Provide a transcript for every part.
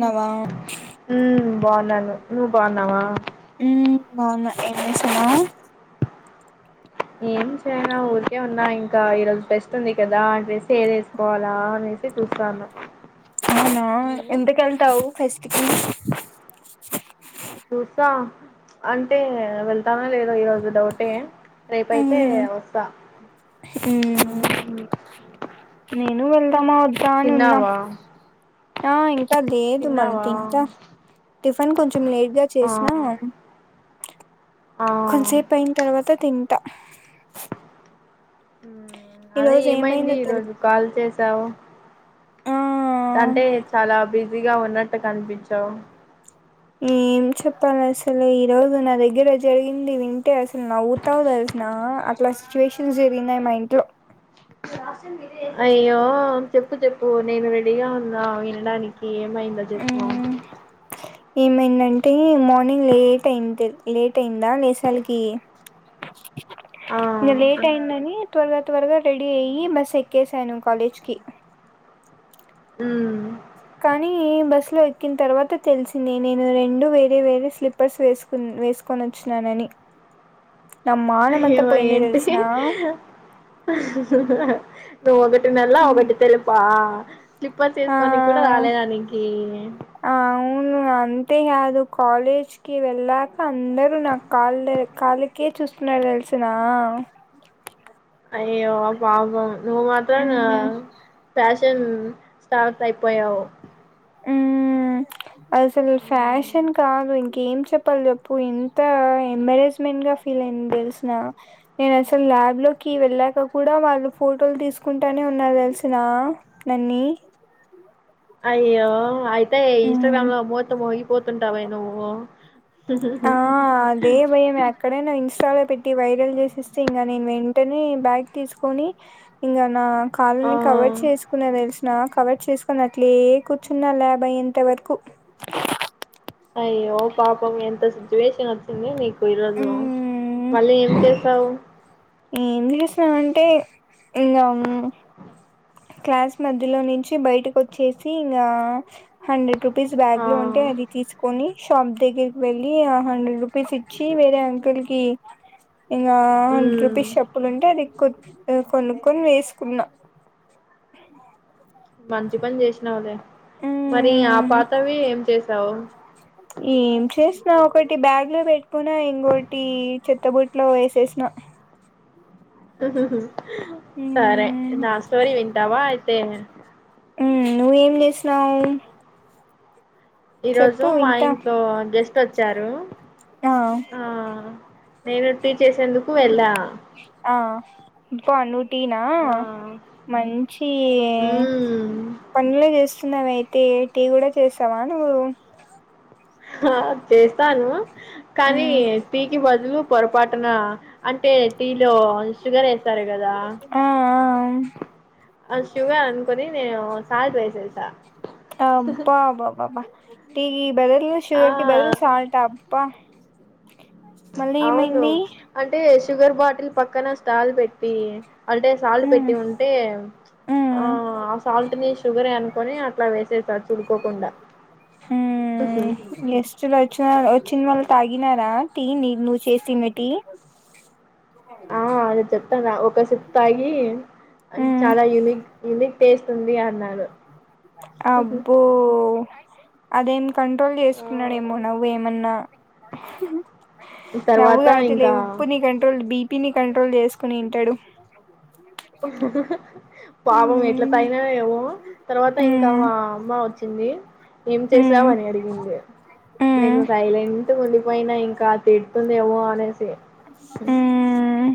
నవా బోనాను న్నాను నువ్వు బోన్నావా నాన్న ఏ సన్నా ఏం చేయనా ఊరికే ఉన్నా ఇంకా ఈరోజు ఫస్ట్ ఉంది కదా ఆ డ్రెస్ ఏదేసుకోవాలా చూసిరాన్న అవునా ఎందుక కెళ్తావు ఫెస్టికీ చూసా అంటే వెళ్తానా లేదో ఈరోజు డౌటే రేపైతే ఉమ్ వస్తా ఉమ్ హ్మ్ నేను వెళ్దామా వద్దా అని ఉన్నాం తిన్నావా? ఆ ఇ లేదు మళ్ళ తిన్నావా? తింటా టిఫిన్ కొంచెం లేట్గా ఆ చేసినా ఆ కొంతసేపు అయిన తర్వాత తింటా ఈ అద రోజు ఏమైంది ఏమైందో తెల్ ఈరోజు కాల్ చేసావు ఆ అంటే చాలా బిజీగా ఉన్నట్టు కనిపించవు [inaudible] ఏం చెప్పాలి అసలు ఈ రోజు నా దగ్గర జరిగింది వింటే అసలు నవ్వుతావు తెలుసునా లక్ష సిచ్యువేషన్స్ జరిగినాయి మా ఇంట్లో అయ్యో చెప్పు చెప్పు నేను రెడీగా ఉన్నా వినడానికి ఏమైందో చెప్పుాం ఉమ్ ఏమైందంటే మార్నింగ్ లేట్ అయింది లేట్ అయిందా లేస వాలకి ఇ ఆ గలేేట్ అయింది ని త్వరగా త్వరగా రెడీ అయ్యి బస్ ఎక్కేశాను కాలేజ్ కి ఉ కానీ బస్సు లో ఎక్కిన తర్వాత తెలిసింది నేను రెండు వేరే వేరే స్లీపర్స్ వేసుకున్నా వేసుకొని వచ్చినని ఏమ ఏంటి నువ్వు ఒకటి నెలా ఒకటి తెలుపా స్లిప్పర్స్ ఆ చేసుకోనికి కూడా రాలేదానికి అవును అంతేకాదు కాలేజ్కిి వెళ్ళాక అందరుూ నా కాళ్ కాళ్ళకే చూస్తున్నా తెలు వచ్చిన అయ్యో అబా నువ్ మాత్రం ఉమ్ ఫ న్ స్టార్ట్ అయిపోయావు ఉ అసలు ఉమ్. ఫ్యాషన్ కాదు ఇంకా ఏం చెప్పాలి చెప్పు ఎంత ఎంబరేస్మెంట్ గా ఫీల్ అయింది తెలిసిన నేను అస క్యాబ్ లోకి వెళ్ళాక కూడా వాళ్ళు ఫోటోలు తీసుకుంటానే ఉన్నారు తెలిసిన నన్నీ ఉ అయ్యో అయితే ఇన్స్టాగ్రామ్ లో మూత్తం ముోగిపోతుంటావ నువ్వు ఆ అదే భయం అక్కడేనా్ ఇన్స్టాలో పెట్టి వైరల్ పలు చేసిస్తే ఇంకా నేను వెంటనే బ్యాగ్ తీసుకొని ఇంకా నా కాలుని కవర్ ఆ చేసుకునే తెలుసు నా కవర్ చేసుకుని అట్లే కూర్చున్న ల్యాబ్యాభై ఇంత వరకు అయ్యో పాపం ఎంత సిచువేషన్ వచ్చింది నీకుఇరోజ మ్మ్ మళ్ళీ ఏం చేసావు ఏం చేసినామంటే ఇంకా క్లాస్ మధ్యలో నుంచి బయటకు వచ్చేసి ఇంకా హండ్రెడ్ రూపీస్ ఆ బ్యాగ్లు ఉంటే అది తీసుకొని షాప్ దగ్గరికి వెళ్ళి ఆ హండ్రెడ్ రూపీస్ ఇచ్చి వేరే అంకుల్ కి ఇంకా హండ్రెడ్ మ్మ్ రూపీస్ చెప్పులు ఉంటే అది కొనుక్కొని వేసుకున్నా మంచి పని చేసినావలేే మరి ఆ మ్మ్ పాతవి ఏం చేసావు ఏం చేసిన ఒకటి బ్యాగ్ లో పెట్టుకున్నా ఇంకోొటి చెత్తబుట్లో వేసేసిన సరే మ్మ్ నా స్టోరి వింటావా అయితే ఉ నువ్వేం చేసినావు ఈ రోజు చెప్పు మా వింటా ఇంట్లో గెస్ట్ వచ్చారు ఆ నేను టీ చేసేందుకు వెళ్ళా అబ్బనువ్వు టీనా ఆ మంచి మ్మ్ పనుల చేస్త మరి అయితే ఏటి కూడా చేశావా నువ్వు చేస్తాను కానీ మ్మ్ టీకి బదులు పొరపాటున అంటే టీలో షుగర్ ఎస్తారు కదా ఆ అ ుగర్ అనుకని నేను సాార్జ వయససా ఆ పా బాబా టీ ఈ బదులు ఆ షుగర్ కి బదులు సాల్ట్ అప్పా అవును అంటే షుగర్ బాటిల్ పక్కన స్టల్ పెట్టి అంటే సాల్ట్ మ్మ్ పెట్టి ఉంటే ఆ మ్మ్ ఆ సాల్ట్ ని షుగర్ అనుకొని అట్లా వేస్త హ్మ్ గిస్ట్ లు వచ్చినారు వాచ్ చ్చిన వాళ్లు తాగినారా టీ నీ నువ్వు చేసిన టీ ఆ అదే చెప్తాన ఒక సీప్ తాగి మ్మ్ చాలా యూనిక్ యూనిక్ టేస్ట్ ఉంది అన్నారు అబ్బో అదేం కంట్రోల్ ఆ చేసుకున్నాడేమో నవ్వు ఏమన్నా నవ్వు తర్వాత కాదులే ఇంకా ఉప్పుని కంట్రోల్ బీపీని కంట్రోల్ చేసుకుని ఇంటాడు [inaudible] పాపం ఎట్ల మ్మ్ తగినాడో ఏమో తర్వాత ఇంకా మ్మ్ మా అమ్మ వచ్చింది ఏం మ్మ్ చేసావ్ అని అడిగింది మ్మ్ నేను సైలంట్ గు పోయినా ఇంకా తిడుతుంది ఏమో అనేసి మ్మ్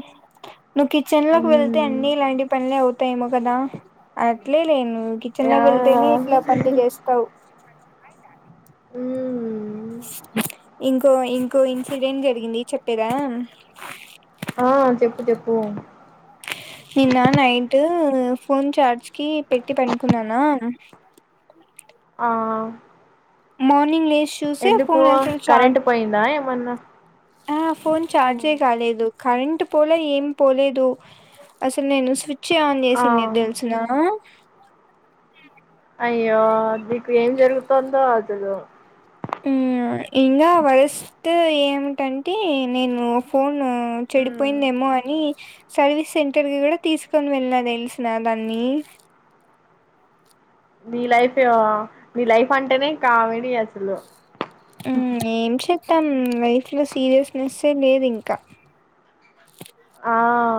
నువ్వు కిచెన్ లోకి వెళ్తే మ్మ్ అన్ని ఇలాంటి పనులే అవుతాయేమో కదా అట్లేలే నువ్ కిచెన్ ఆ లోకి వెళ్తేనే ఇట్లా పనులు చేస్తావ్ ఉమ్ ఇంకో ఇంకో ఇన్సిడెంట్ జరిగింది చెప్పేదా ఆ చెప్పు చెప్పు [unintelligible] నిన్న నైటు ఫోన్ చార్జ్ కి పెట్టి పనుకున్నానా ఆ మార్నింగ్ లేస్ ఎందుకు కరెంటు పోయిందా ఏమన్నా ఆ ఫోన్ చార్జే హ్మ్. కాలేదు కరెంట్ పోలే ఏం పోలేదు అసలు నేను స్విచ్ స్విచ్చే ఆన్ ఆ చేసినే తెలుసునా అయ్యో నీకు ఏం జరుగుతుందో అస్సలు ఉమ్ ఇంగా వరస్ట్ ఏమిటంటే నేను ఫోన్ ఫోను మ్మ్ చెడిపోయిందేమో అని సర్వీస్ సెంటర్ కి కూడా తీసుకొని వెళ్ళినా తెలిసిన దాన్ని నీ లైఫ్ ఆ నీ లైఫ్ అంటేనే ఆ కామెడీ అసలు ఏం చేస్తాం లైఫ్ లో సీరియస్నెస్ ఏ లేదు ఇంకా ఆ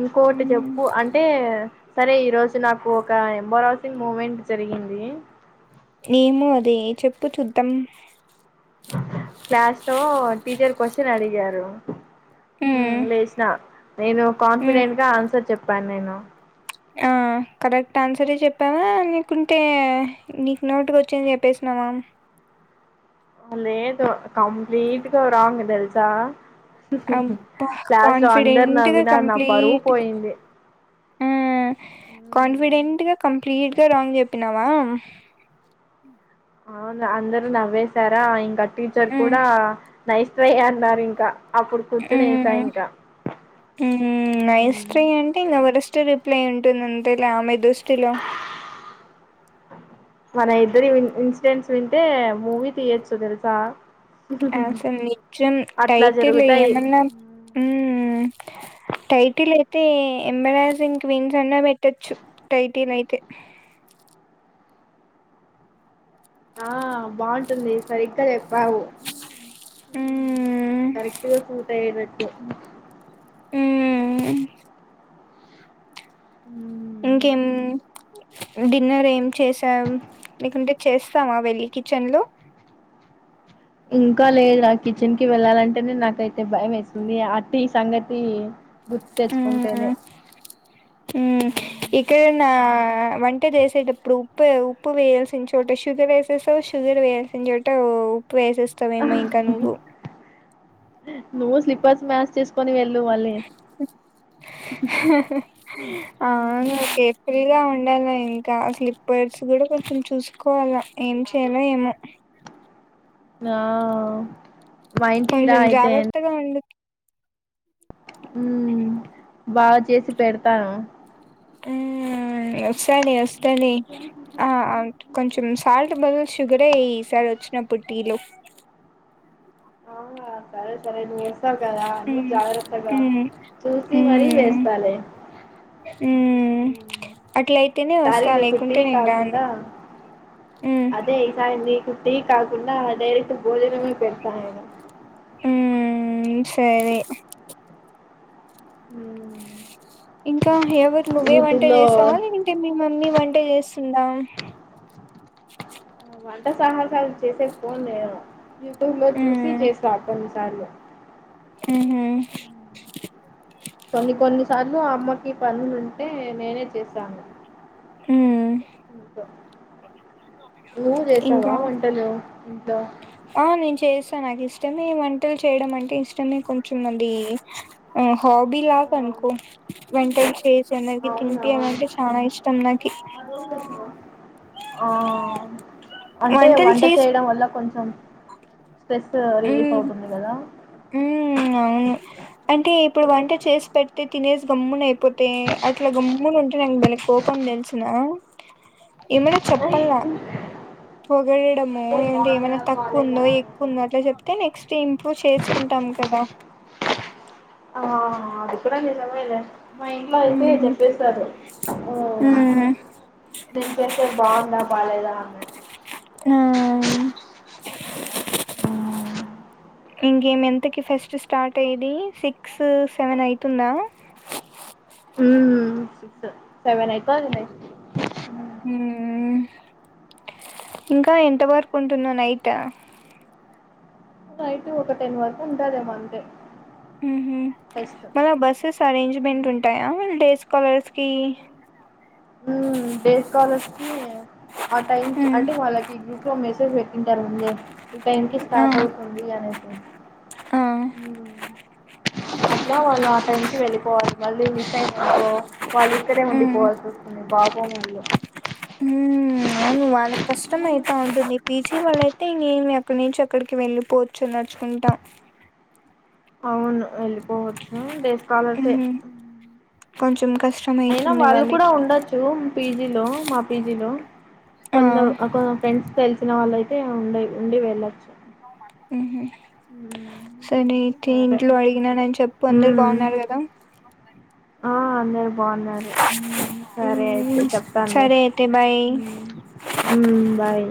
ఇంకోటి హ్మ్. చెప్పు అంటే సరే ఈరోజు నాకు ఒక ఎంబోరసింగ్ మూమెంట్ జరిగింది ఏమో అది చెప్పు చూద్దాం క్లాస్ లో టీచర్ క్వశ్చన్ అడిగారు హ్మ్ లేచిన నేను హ్మ్. కాన్ఫిడెంట్ గా ఆన్సర్ చెప్పాను నేను ఆ కరెక్ట్ ఆన్సరే చెప్పావా లేకుంటే నీకు నూటికి వచ్చింది చెప్పేసినవా [inaudible] ఆ లేదు కంప్లీట్గా రాంగ్ తెలుసా అబ్బా! క్లాస్ లో అందరు కాన్ఫిడెంట్‌గా నవ్వినారు నా పరువు కంప్లీట్‌గా పోయింది ఆ కాన్ఫిడెంట్గా కంప్లీట్ గా రాంగ్ చెప్పినావా అవును అందరు నవ్వేశారా ఇంకా టీచర్ హ్మ్. కూడా నై శ్రేయ అన్నారు ఇంకా అప్పుడు కూర్చుని వేసా హ్మ్ ఇంకా హ్మ్ నై శ్రేయ అంటే ఇంగా వరా ఫస్ట్ రిప్లై ఉంటుంది అంతేలా ఆమె దృష్టిలో మన ఇద్దరి ఇన్సిడెంట్స్ వింటే మూవీ తీయొచ్చు తెలుసా అసలు నిజం అట్లా టైటిల్ జరుగుతాయి ఏమన్నా ఉమ్ టైటిల్ అయితే ఎంబరైసింగ్ క్వీన్స్ అన్నా పెట్టొచ్చు టైటిల్ అయితే [unintelligible] ఆ బాగుంటుంది సరిగ్గాచేప్ వావు హ్మ్ కరెక్ట్ గా సూట్ అయేటట్టు మ్మ్ మ్మ్ ఇంకేం డిన్నర్ ఏం చేశావ్ లేకుంటే చేస్తావా వెళ్ళి కిచెన్ లో ఇంకా లేదు ఆ కిచెన్ కి వెళ్ళాలంటేనే నాకైతే భయం వేస్తుంది అతి సంగతి గుర్తు హ్మ్ తెచ్చుకుంటేనే ఉమ్ ఇక్కడ నా వంట చేసేటప్పుడు ఉప్పు ఉప్పు వేయాల్సిన చోట షుగర్ వేసేస్తావ్ షుగర్ వేయ చోట ఉప్పు వేసేస్తావేమో ఇంకా నువ్వు నువ్వు స్లిపర్స్ మ్యాస్ చేసుకొని వె అవును కేర్ఫుల్ గా ఉన్ ఉండాలా ఇంకా స్లిప్పర్స్ కూడా కొంచం చూసుకోవాలా ఏం చేయలో ఏమో ఆ మా ఇంటికి రా కొంచెం అయితే జాగ్రత్తగా ఉండు మ్మ్ బాగా చేసి పెడత మ్మ్ వస్తాలే వస్తాలే ఆ అ కొంచెం సాల్ట్ బదుల్ షుగరే వేయి ఈసారి వచ్చినప్పుడు టీ లో అవునా సరే సరే నువ్వు వస్ తావ్ కదా అన్ని ఉమ్ జాగ్రత్తగా ఉమ్ చూసి మరీ ఉమ్ వేస్తాలే ఉ ఉమ్ అట్లయితేనే ఈసారి వస్తా మీకు టీ లేకుంటే నేను రాను కాకుండా ఉమ్ అదే ఈ సారి మీకు టీ కాకుండా డైరెక్ట్ భోజనమే పెడతా నేను హుమ్మ్ సరే ఇంకా ఎవరు నువ్వే వంట యూట్యూబ్ లో చేసావా లేదంటే మీ మమ్మీ వంట చేస్ తుందా ఆ వంట సాహసాలు చేసేకి పోన్ నేను యూట్యూబ్ లో చూసి ఉమ్ చేస్తా కొన్ని సార్లు ఉహు కొన్ని కొన్నిసార్లు అమ్మకి పనులుంటే నేనే చేసాను ఉమ్ ఇంట్లో నువ్వు చేసావా ఇంకా వంటలు ఉమ్ ఆ నేను చేస్ తా నాకు ఇష్టమే వంటలు చేయడం అంటే ఇష్టమే కొంచెం అండి. అ హాబీ లా అను కో వంటల్స్ చేసి అందరికీ అవునా తినిపియాలి అంటే చాలా ఇష్టం నాకి ఆ అంటే వంటలు వంట చేసి చేయడం వల్ల కొంచెం స్ట్రెస్ రిలీఫ్ అవుతుంది కదా మ్మ్ అవును అంటే ఇప్పుడు వంట చేసి పెడితే తినేసి గమ్మున అయిపోతే అట్లా గమ్మున ఉంటే నాకు భలే కోపం తెలుసునా ఏమనా చెప్పల్లా అంటే పొగడేయడమో ఏమంటే బాగుందా ఏమైనా బాలేదా తక్కువుందో అనేది. ఎక్కువుందో అట్ల చెప్తే నెక్స్ట్ టైమ్ కుంటాము కదా [unintelligible] లే మా ఇంట్లో అయితే ఉమ్ చెప్పేస్తారు ఓ నేను చేస్తే బాగుంద బాగలేదా అన్నట్టు హా ఆ ఇంకేమి ఎంతకి ఫెస్ట్ స్టార్ట్ అయ్యేది సిక్స్, సెవెన్ అయితుందా. ఉమ్ సిక్స్ సెవెన్ అయితాదిలే హుహ్మ్ ఇంకా ఎంత వరకు ఉంటుందో నైట్ నైటు ఒక టెన్ వరకు ఉంటదేమో అంతే ఉహుమ్ ఫెస్ట్ మళ్ల బస్సెస్ అరేంజ్మెంట్ ఉంటాయా డేస్ కలర్సకి ఉమ్ డేస్ కాలర్సకి ఆ టైమ్కి ఉమ్ అంటే వాళ్ళకి గ్రూప్లో మెసేజ్ పెట్టింటారు ఉంది ఈ టైమ్కి ఆ స్టార్ట్ అవుతున్ది అనేది ఆ అట్లా వాళ్ళు ఆ టైం కి వెళ్ళిపోవాలి మళ్ళీ మిస్ అయినో అనుకో వాళ్ళు ఇక్కడే ఉమ్ ఉండిపోవాల్సి వస్ పాపం వాళ్ళు మ్ అవును వాళ్ళకి కష్టమైత్ బా ఉంటుంది పీజీ వాళ్ళ అయితే నేను ఎక్కడి నుంచి అక్కడికి వెళ్ళిపోవచ్చు నడుచుకుంట అవును వెళ్ళిపోవచ్చు డేస్ స్కాలర్సె ఉహు కొంచెం కష్టం అయినా అయితుంది వాళ్ళు కూడా వాళ్ళకి ఉండొచ్చు పీజీలో మా పీజీలో కొందర్ ఆ కొ ఫ్రెండ్స్ తెల్సిన వాళ్ళయితే ఉండయ్ ఉండి వెళ్ళొచ్చు ఉహుమ్ సరే అయితే సరే ఇంట్లో అడిగినానని చెప్పు అందరు మ్మ్ బావున్నారు గదా ఆ అందరూ బావున్నారు మ్ సరే అయితే మ్మ్ చెప్తాన్ లే సరే అయితే బాయ్ మ్ మ్ బాయ్